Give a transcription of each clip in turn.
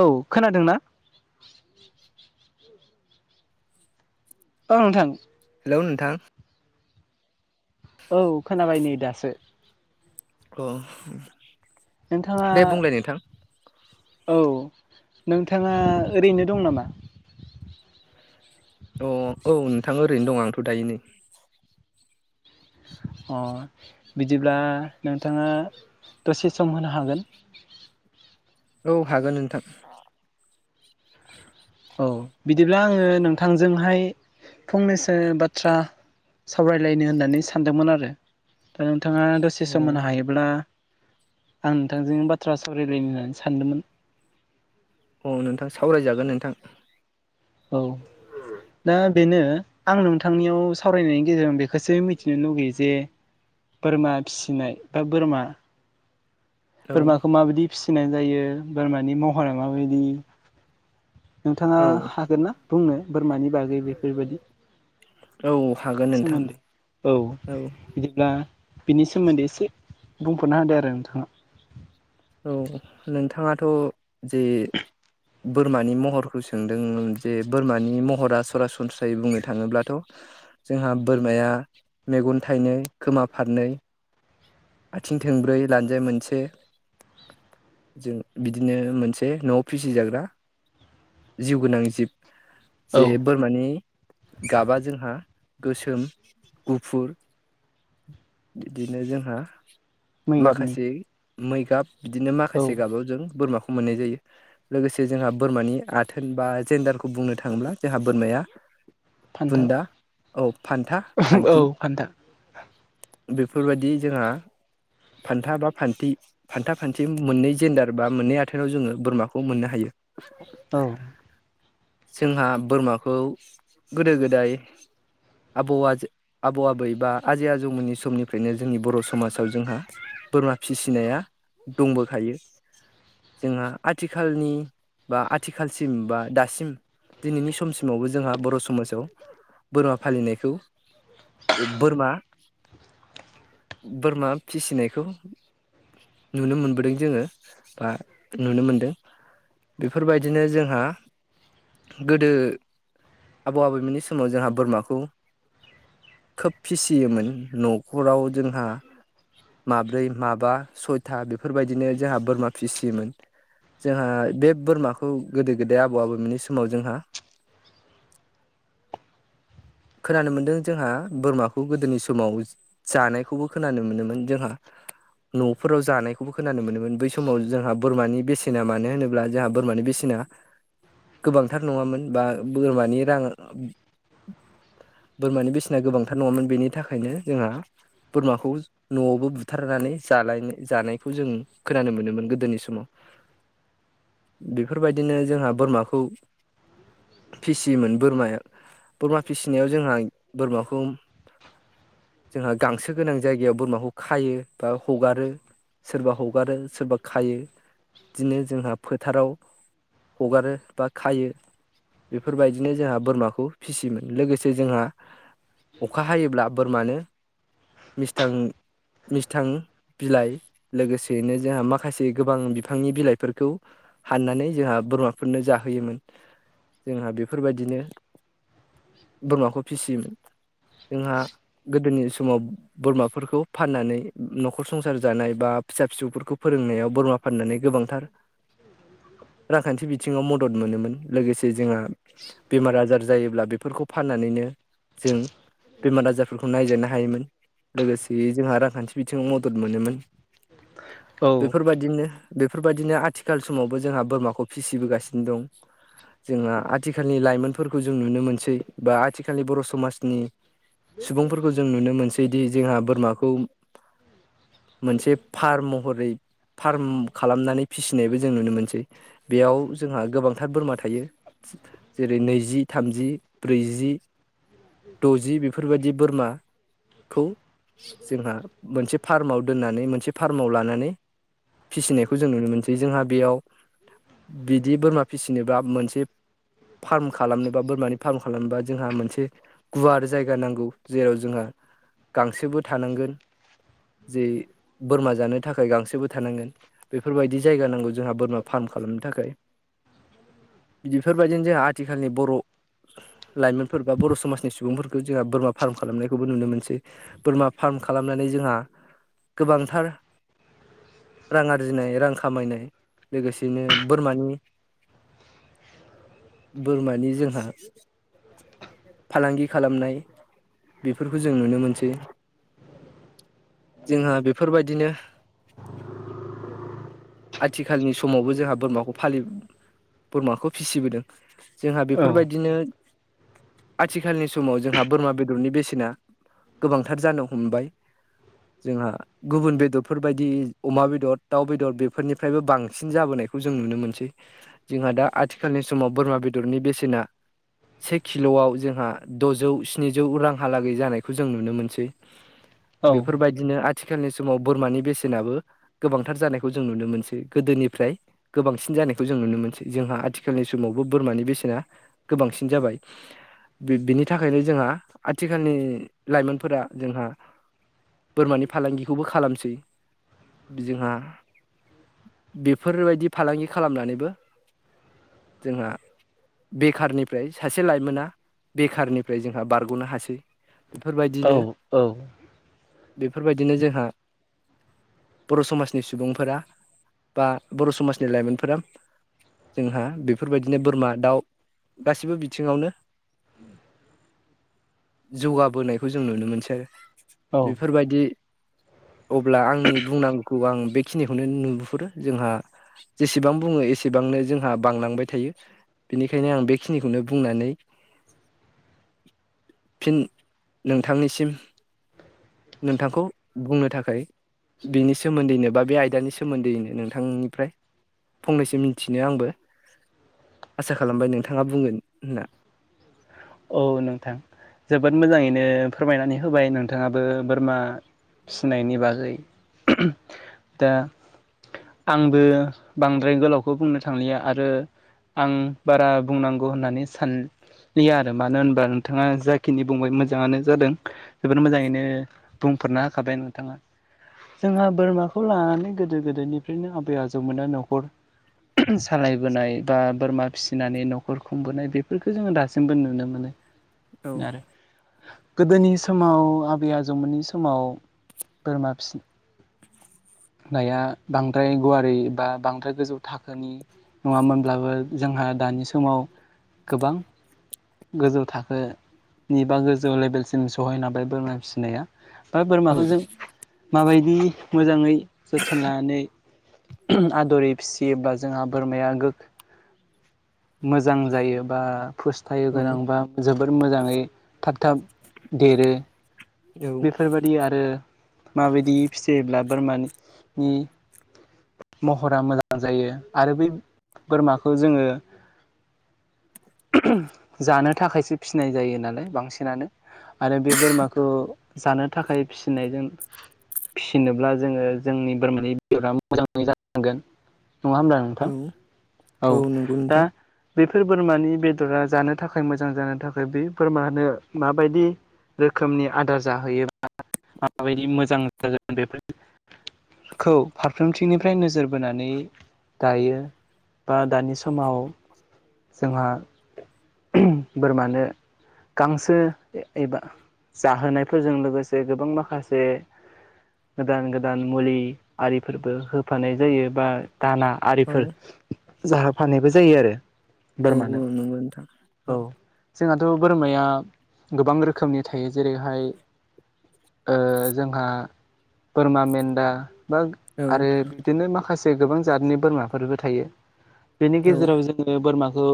औ खोनादों ना? [inaudible] ओ नोंथां हेलौ नोंथां औ खोनाबाय नै दासो अ नोंथाङा दे बुंलाय नोंथां औ नोंथाङा ओरैनो दं नामा? अ औ नोंथाङा ओरैनो दं आंथ' दायो नै अ बिदिब्ला नोंथाङा दसे सम होनो हागोन? औ हागोन नोंथां औ बिदिब्ला आङो नोंथांजोंहाय फंनैसो बाथ्रा सावरायलायनो होननानै सानदोंमोन आरो दा नोंथाङा दसे अ सम होनो हायो ब्ला आं नोंथांजों बाथ्रा सावरायलायनो होननानै सानदोंमोन अ नोंथां सावरायजागोन नोंथां औ दा बेनो आं नोंथांनियाव सावरायनायनि गेजेरजों बेखौसो मिथिनो लुगैयो जे बोरमा फिसिनाय बा बोरमा औ बोरमाखौ माबायदि फिसिनाय जायो बोरमानि महरा माबायदि नोंथाङा औ हागोन ना बुंनो बोरमानि बागै बेफोरबायदि औ हागोन नोंथां सोमोन्दै औ बिदिब्ला बिनि सोमोन्दै एसे बुंफोर'नो होदो आरो नोंथाङा। औ नोंथाङाथ' जे बोरमानि महरखौ सोंदों जे बोरमानि महरा सरासनस्रायै बुंनो थाङोब्लाथ' जोंहा बोरमाया मेगन थाइनै खोमा फारनै आथिं थंब्रै लान्जाय मोनसे जों बिदिनो मोनसे न'आव फिसिजाग्रा जिउ गोनां जिब औ जे बोरमानि गाबा जोंहा गोसोम गुफुर बिदिनो जोंहा। मै गाबनि माखासे मै गाब बिदिनो औ माखासे गाबाव जों बोरमाखौ मोननाय जायो। लोगोसे जोंहा बोरमानि आथोन बा जेेनडारखौ बुंनो थाङोब्ला जोंहा बोरमाया फान्था बुन्दा औ फान्था औ फान्थि फान्था बेफोरबायदि जोंहा फान्था बा बानथि [unintelligible] मोननै जेन्डार बा मोननै आथेनाव जोङो बोरमाखौ मोननो हायो। औ जोंहा बोरमाखौ गोदो गोदाय आबौआ आबौ आबै बा आजै आजौमोननि समनिफ्रायनो जोंनि बर' समाजाव जोंहा। बोरमा फिसिनाया दंबोखायो। जोंहा आथिखालनि बा आथिखालसिम बा दासिम। दिनैनि समसिमावबो जोंहा बर' समाजाव बोरमा फालिनायखौ। बोरमा बोरमा फिसिनायखौ नुनो मोनबोदों जोङो बा नुनो मोनदों। बेफोरबायदिनो जोंहा। गोदो आबौ आबैमोननि समाव जोंहा बोरमाखौ खोब फिसियोमोन न'खराव जोंहा। माब्रै माबा सयथा बेफोरबायदिनो जोंहा बोरमा फिसियोमोन। जोंहा बे बोरमाखौ गोदो गोदाय आबौ आबौमोननि समाव जोंहा। [unintelligible] खोनानो मोन्दों जोंहा बोरमाखौ गोदोनि समाव। जानायखौबो खोनानो मोनोमोन जोंहा न' फोराव जानायखौबो खोनानो मोनोमोन बै समाव जोंहा बोरमानि बेसेना मानो होनोब्ला जोंहा बोरमानि बेसेना गोबांथार नङामोन बा बोरमानि रां बोरमानि बेसेना गोबांथार नङामोन बेनि थाखायनो जोंहा। बोरमाखौ न'आवबो बुथारनानै जालायनो जानायखौ जों खोनानो मोनोमोन गोदोनि समाव बेफोरबायदिनो जोंहा बोरमाखौ फिसियोमोन बोरमाया बोरमा फिसिनायाव जोंहा बोरमाखौ जोंहा गांसो गोनां जायगायाव बोरमाखौ खायो बा हगारो सोरबा हगारो सोरबा खायो बिदिनो जोंहा फोथाराव हगारो बा खायो बेफोरबायदिनो जोंहा बोरमाखौ फिसियोमोन लोगोसे जोंहा अखा हायोब्ला बोरमानो मिस्थां मिस्थां बिलाइ लोगोसेैनो जोंहा माखासे गोबां बिफांनि बिलाइफोरखौ हाननानै जोंहा बोरमाफोरनो जाहोयोमोन जोंहा बेफोरबायदिनो बोरमाखौ फिसियोमोन जोंहा गोदोनि समाव बोरमाफोरखौ फाननानै नखर संसार जानाय बा फिसा फिसौफोरखौ फोरोंनायाव बोरमा फाननानै गोबांथार रांखान्थि बिथिङाव मदद मोनोमोन लोगोसे जोंहा बेमार आजार जायोब्ला बेफोरखौ फाननानैनो जों बेमार आजारफोरखौ नायजानो हायोमोन लोगोसेयै जोंहा रांखान्थि बिथिङाव मदद मोनोमोन। औ बेफोरबायदिनो बेफोरबायदिनो आथिखाल समावबो जोंहा बोरमाखौ फिसिबोगासिनो दं। जोंहा आथिखालनि लाइमोनफोरखौ जों नुनो मोनसै बा आथिखालनि बर' समाजनि सुबुंफोरखौ जों नुनो मोनसैदि जोंहा बोरमाखौ मोनसे फार्म महरै फार्म खालामनानै फिसिनायबो जों नुनो मोनसै बेयाव जोंहा गोबांथार बोरमा थायो। जेरै नैजि थामजि ब्रैजि दजि बेफोरबायदि बोरमाखौ जोंहा मोनसे फार्माव दोननानै मोनसे फार्माव लानानै फिसिनायखौ जों नुनो मोनसै जोंहा बेयाव बिदि बोरमा फिसिनोबा मोनसे फार्म खालामनोबा बोरमानि फार्म खालामनोबा जोंहा मोनसे गुवार जायगा नांगौ जेराव जोंहा गांसोबो थानांगोन जे बोरमा जानो थाखाय गांसोबो थानांगोन बेफोरबायदि जायगा नांगौ जोंहा बोरमा फार्म खालामनो थाखाय बेफोरबायदिनो जोंहा आथिखालनि बर' लाइमोनफोर बा बर' समाजनि सुबुंफोरखौ जोंहा बोरमा फार्म खालामनायखौबो नुनो मोनसै बोरमा फार्म खालामनानै जोंहा गोबांथार रां आरजिनाय रां खामायनाय लोगोसेनो बोरमानि बोरमानि जोंहा फालांगि खालामनाय बेफोरखौ जों नुनो मोनसै जोंहा बेफोरबायदिनो आथिखालनि समावबो जोंहा बोरमाखौ फालि बोरमाखौ फिसिबोदों। जोंहा औ बेफोरबायदिनो आथिखालनि समाव जोंहा बोरमा बेदरनि बेसेना गोबांथार जानो हमबाय जोंहा गुबुन बेदरफोर बायदि अमा बेदर दाउ बेदर बे फोरनिफ्रायबो बांसिन जाबोनायखौ जों नुनो मोनसै जोंहा दा आथिखालनि समाव बोरमा बेदरनि बेसेना से किल'आव जोंहा द'जौ स्निजौ रांहालागै जानायखौ जों नुनो मोनसै बेफोरबायदिनो आथिखालनि समाव बोरमानि बेसेनाबो गोबांथार जानायखौ जों नुनो मोनसै गोदोनिफ्राय गोबांसिन जानायखौ जों नुनो मोनसै जोंहा आथिखालनि समावबो बोरमानि बेसेना गोबांसिन जाबाय। बि बिनि थाखायनो जोंहा आथिखालनि लाइमोनफोरा जोंहा बोरमानि फालांगिखौबो खालामसै जोंहा बेफोरबायदि फालांगि खालामनानैबो जोंहा बेखारनिफ्राय सासे लाइमोना बेखारनिफ्राय जोंहा बारग'नो हासै। औ बेफोरबायदिनो बेफोरबायदिनो जोंहा बर' समाजनि सुबुंफोरा बा बर' समाजनि लाइमोनफोरा जोंहा बेफोरबायदिनो बोरमा दाउ गासिबो बिथिंङावनो जौगाबोनायखौ जों नुनो मोनोसै आरो। औ बेफोरबायदि अब्ला आंनि बुंनांगौखौ आं बेखिनिखौ बेखौनो नुहुरो जोंहा जेसेबां बुंङो एसेबांनो जोंहा बांलांबाय थायो। बेनिखायनो आं बेखिनिखौनो बुंनानै [unintelligible] फिन नोंथांनिसिम नोंथांखौ बुंनो थाखाय बिनि सोमोन्दैनो बा बे आइ बिनि सोमोन्दैयैनो नोंथांनिफ्राय फंनैसो मिथिनो आंबो आसा खालामबाय नोंथाङा बुंगोन होनना। औ नोंथां जोबोद मोजाङैनो फोरमायनानै होबाय नोंथाङाबो बोरमा फिसिनायनि बागै दा आंबो बांद्राय गोलावखौ बुंनो थांलिया आरो आं बारा बुंनांगौ होननानै सानलिया। मानो होनबा नोंथाङा जाखिनि बुंबाय मोजाङानो जादों जोबोर मोजाङैनो बुंफोरना होखाबाय नोंथाङा। जोंहा बोरमाखौ लानानै गोदो -गोदायनिफ्रायनो आबै आजौमोना न'खर सालायबोनाय बा बोरमा फिसिनानै न'खर खुंबोनाय बेफोरखो जोङो दासिमबो नुनो नुनो औ मोनो आरो गोदोनि समाव आबै आजौमोननि समाव बोरमा फिसि -नाया बांद्राय गुवारै बा बांद्राय गोजौ थाखोनि नङामोनब्लाबो जोंहा दानि समाव गोबां गोजौ थाखोनि बा गोजौ लेभेलसिम सहैनो हाबाय बोरमा फिसिनाया। बा औ बोरमाखौ जों माबायदि मोजाङै जोथोन लानानै आदरै फिसियोबा जोंहा बोरमाया [unintelligible] मोजां जायो बा फोस्थायु औ गोनां बा जोबोर मोजाङै थाब थाब देरो। बेफोरबादि आरो माबायदि फिसियोब्ला बोरमानि महरा मोजां जायो आरो बै बोरमाखौ जोङो ओ ओम जानो थाखायसो फिनाय जायो नालाय बांसिनानो। आरो बे बोरमाखौ जानो थाखाय फिसिनायजों फिसिनोब्ला जोङो जोंनि बोरमानि बेदरा मोजाङै जानांगोन नङा होमब्ला? नोंथां औ औ नंगौ दा नोंथां बेफोर बोरमानि बेदरा जानो थाखाय मोजां जानो थाखाय बे बोरमानो माबायदि रोखोमनि आदार जाहोयोबा माबायदि मोजां जागोन बेफोर [unintelligible] फारफ्रोमथिंनिफ्राय नोजोर बोनानै दायो बा दानि समाव जोंहा ओम बोरमानो गांसो एबा जाहोनायफोरजों लोगोसे गोबां माखासे गोदान गोदान मुलि आरिफोरबो होफानाय जायो बा दाना औ आरिफोर जाहोफानायबो जायो आरो। औ औ बोरमानो नंगौ नोंथां औ। जोंहाथ' बोरमाया गोबां रोखोमनि थायो जेरैहाय ओ जोंहा बोरमा मेन्दा बा औ आरो बिदिनो माखासे गोबां जातनि बोरमाफोरबो थायो बेनि गेजेराव जों जोङो बोरमाखौ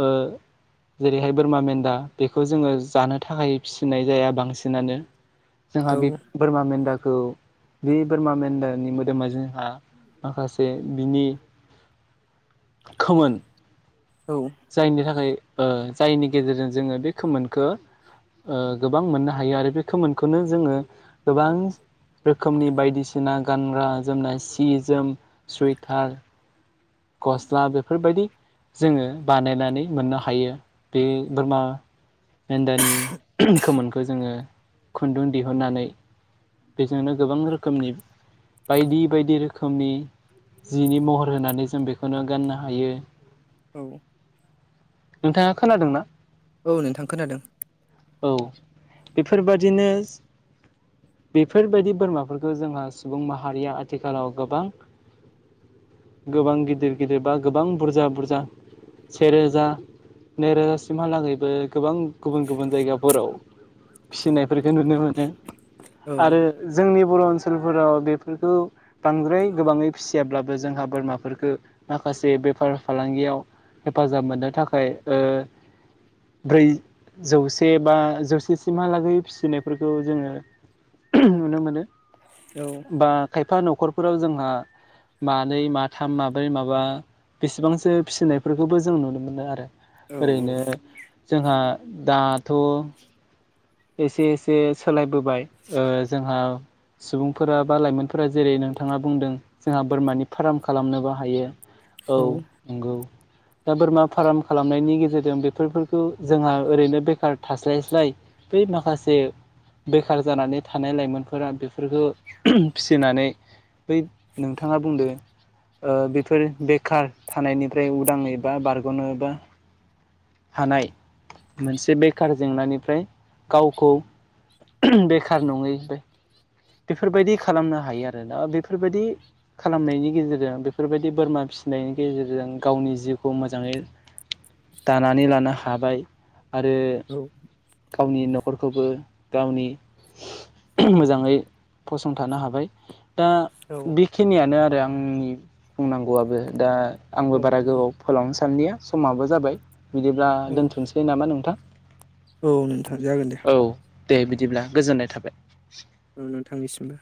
ओ जेरैहाय बोरमा मेन्दा बेखौ जोङो जानो थाखाय फिसिनाय जाया बांसिनानो। जोंहा औ बे बोरमा मेन्दाखौ बे बोरमा मेन्दानि मोदोमा जोंहा माखासे बिनि खोमोन औ। जायनि थाखाय जायनि गेजेरजों जोङो बे खोमोनखो ओ गोबां मोननो हायो आरो बे खोमखौनो जोङो गोबां रोखोमनि बायदिसिना गानग्रा जोमनाय सि जोम सुइटार गस्ला बेफोरबायदि जोङो बानायनानै मोननो हायो बे बोरमा मेन्दानि खोमोनखौ जोङो खुन्दुं दिहुननानै बेजोंनो गोबां रोखोमनि बायदि बायदि रोखोमनि जिनि महर होनानै जों बेखौनो गाननो हायो औ नोंथाङा खोनादों ना? औ नोंथां खोनादों औ बेफोरबादिनो बेफोरबायदि बोरमाफोरखौ जोंहा सुबुं माहारिया आथिखालाव गोबां गोबां गिदिर गिदिर बा गोबां बुरजा बुरजा सेेरोजा नै रोजासिमहालागैबो गोबां गुबुन गुबुन जायगाफोराव फिसिनायफोरखौ नुनो मोनो औ आरो जोंनि बर' ओनसोलफोराव बेफोरखौ बांद्राय गोबाङै फिसियाब्लाबो जोंहा बोरमाफोरखौ माखासे बेफार फालांगियाव हेफाजाब मोननो थाखाय ओ ब्रै जौसे बा जौसेसिमहालागै फिसिनायफोरखौ जोङो [unintelligible] नुनो मोनो औ बा खायफा न'खरफोराव जोंहा मानै माथाम माब्रै माबा बेसेबांसो फिसिनायफोरखौबो जों नुनो मोनो आरो ओरैनो जोंहा दाथ' एसे एसे सोलायबोबाय ओ जोंहा सुबुंफोरा बा लाइमोनफोरा जेरै- नोंथाङा बुंदों जोंहा बोरमानि फार्म खालामनोबो हायो औ नंगौ दा बोरमा फार्म खालामनायनि गेजेरजों बेफोरफोरखौ जोंहा ओरैनो बेखार थास्लायस्लाय बै माखासे बेखार जानानै थानाय लाइमोनफोरा बेफोरखौ फिसिनानै बै नोंथाङा बुंदो ओ बेफोर बेखार थानायनिफ्राय उदाङै बा बारग'नो बा हानाय मोनसे बेखार जेंनानिफ्राय गावखौ [unintelligible] बेखार नङै बे बेफोरबायदि खालामनो हायो आरोना बेफोरबायदि खालामनायनि गेजेरजों बेफोरबायदि बोरमा फिसिनायनि गेजेरजों गावनि जिउखौ मोजाङै दानानै लानो हाबाय आरो गावनि न'खरखौबो गावनि [unintelligible] मोजाङै फसंथानो हाबाय दा औ बि खिनियानो आरो आंनि बुंनांगौआबो दा आंबो बारा गोबाव फोलावनो सानलिया समाबो जाबाय। बिदिब्ला औ दोन्थ'नोसै नामा नोंथां औ नोंथां जागोन दे औ दे बिदिब्ला गोजोननाय थाबाय। नोंथांनिसिमबो।